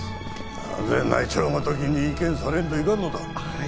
なぜ内調ごときに意見されんといかんのだはい